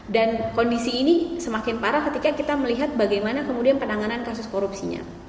dan kondisi ini semakin parah ketika kita melihat bagaimana kemudian penanganan kasus korupsinya